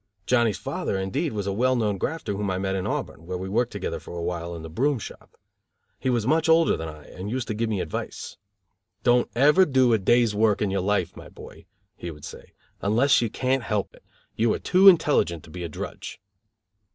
Johnny's father, indeed, was a well known grafter whom I met in Auburn, where we worked together for a while in the broom shop. He was much older than I, and used to give me advice. "Don't ever do a day's work in your life, my boy," he would say, "unless you can't help it. You are too intelligent to be a drudge."